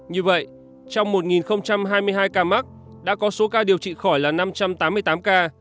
như vậy trong một hai mươi hai ca mắc đã có số ca điều trị khỏi là năm trăm tám mươi tám ca